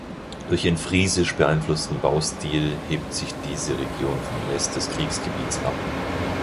Durch ihren friesisch beeinflussten Baustil hebt sich diese Region vom Rest des Kreisgebiets ab.